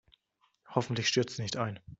Hoffentlich stürzt sie nicht ein.